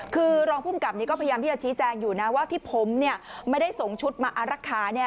คือรองผู้กำกับมันยังพยายามที่จะชี้แจงผมไม่ได้ส่งชุดมาอรักษา